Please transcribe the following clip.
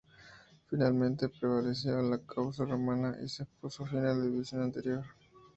Finalmente, prevaleció la causa Romana y se puso fin a la división anterior.